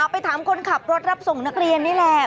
ไปถามคนขับรถรับส่งนักเรียนนี่แหละ